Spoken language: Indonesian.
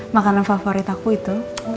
makanan favorit aku itu